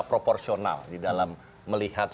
proporsional di dalam melihat